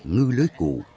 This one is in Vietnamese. ngư lưới cũ